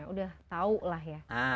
sudah tau lah ya